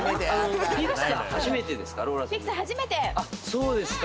そうですか。